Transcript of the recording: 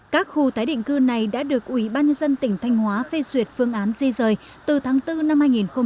các khu tái định cư này đã được ủy ban dân tỉnh thanh hóa phê duyệt phương án di rời từ tháng bốn năm hai nghìn một mươi chín